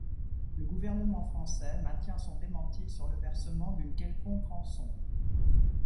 Le gouvernement français maintient son démenti sur le versement d'une quelconque rançon.